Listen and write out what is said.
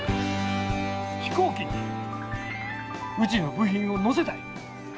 飛行機にうちの部品を乗せたい。